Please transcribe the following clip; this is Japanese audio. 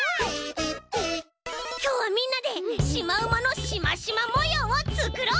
きょうはみんなでシマウマのシマシマもようをつくろう！